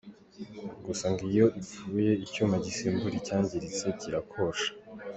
Gusa ngo iyo ipfuye, icyuma gisimbura icyangiritse kirakosha.